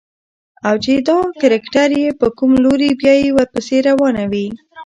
او چې دا کرکټر يې په کوم لوري بيايي ورپسې روانه وي.